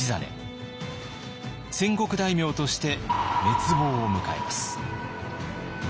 戦国大名として滅亡を迎えます。